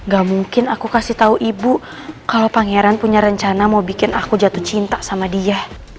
gak mungkin aku kasih tahu ibu kalau pangeran punya rencana mau bikin aku jatuh cinta sama dia